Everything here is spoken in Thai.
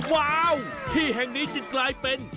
ว้าวที่แห่งนี้จึงกลายเป็น